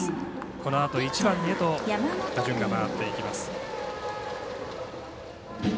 このあと１番へと打順が回っていきます。